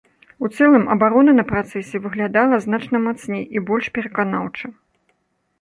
У цэлым абарона на працэсе выглядала значна мацней і больш пераканаўча.